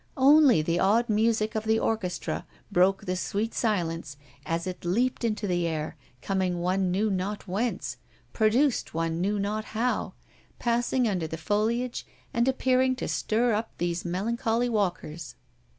Only the odd music of the orchestra broke the sweet silence as it leaped into the air, coming one knew not whence, produced one knew not how, passing under the foliage and appearing to stir up these melancholy walkers.